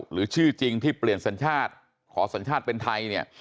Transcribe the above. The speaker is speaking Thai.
หรือชื่อจริงที่เปลี่ยนสัญชาติขอสัญชาติเป็นไทยเนี่ย